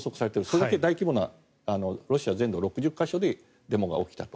それだけ大規模なロシア全土６０か所でデモが起きたと。